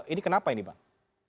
ini kenapa ini bang